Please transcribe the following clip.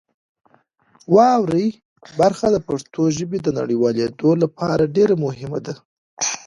واورئ برخه د پښتو ژبې د نړیوالېدو لپاره ډېر مهمه ده.